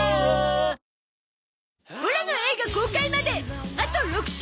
オラの映画公開まであと６週！